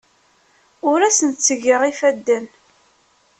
Ur asen-ttgeɣ ifadden.